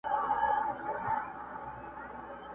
د حاکم تر خزانې پوري به تللې٫